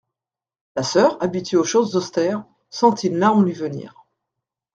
La soeur, habituée aux choses austères, sentit une larme lui venir.